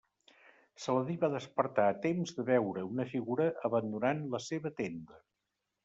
Saladí va despertar a temps de veure una figura abandonant la seva tenda.